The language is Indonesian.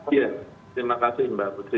iya terima kasih mbak putri